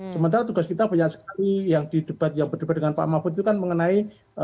sementara tugas kita banyak sekali yang di debat yang berdebat dengan pak mahfud itu kan mengenai